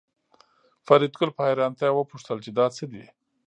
فریدګل په حیرانتیا وپوښتل چې دا څه دي